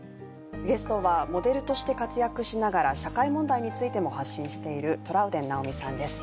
ゲストはモデルとして活躍しながら社会問題についても発信しているトラウデン直美さんです